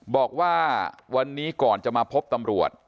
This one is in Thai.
บอกว่าวันนี้ก่อนจะมาพบตำรวจ